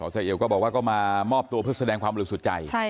สเอ๋วก็บอกว่าก็มามอบตัวเพื่อแสดงความฤทธิ์สุดใจ